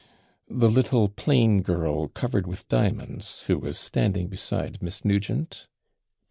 'The little, plain girl, covered with diamonds, who was standing beside Miss Nugent?'